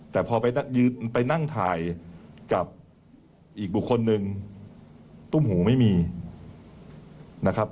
แต่พอไปนั่งถ่ายกับอีกบุคคลหนึ่งตุ้มหูไม่มีนะครับ